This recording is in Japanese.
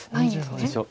どうでしょう。